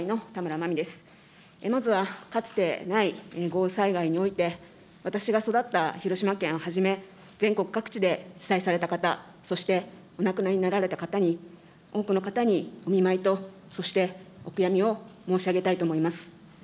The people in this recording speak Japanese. まずはかつてない豪雨災害において、私が育った広島県をはじめ、全国各地で被災された方、そしてお亡くなりになられた方に、多くの方に、お見舞いと、そしてお悔やみを申し上げたいと思います。